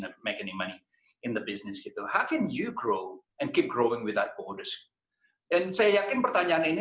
dalam bisnis bagaimana anda bisa tumbuh dan terus tumbuh tanpa perusahaan dan saya yakin pertanyaan ini